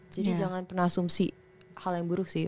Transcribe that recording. jadi jangan pernah asumsi hal yang buruk sih